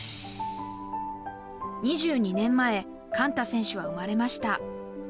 ２２年前、寛太選手は生まれました。